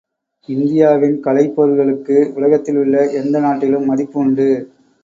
இந்தியாவின் கலைப்பொருள்களுக்கு உலகத்திலுள்ள எந்த நாட்டிலும் மதிப்புண்டு.